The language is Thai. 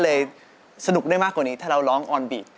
มันก็เลยสนุกได้มากกว่านี้ถ้าเราร้องออนบีก